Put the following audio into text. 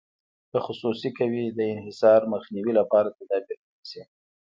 که خصوصي کوي د انحصار مخنیوي لپاره تدابیر ونیسي.